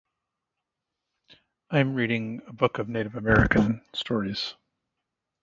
I'm reading book of native American stories.